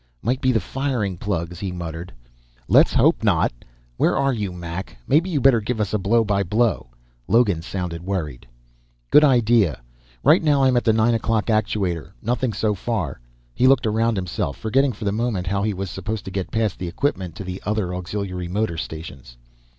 "Might be the firing plugs," he muttered. "Let's hope not. Where are you, Mac? Maybe you better give us a blow by blow." Logan sounded worried. "Good idea. Right now I'm at the nine o'clock actuator. Nothing so far." He looked around himself, forgetting for the moment how he was supposed to get past the equipment to the other auxiliary motor stations.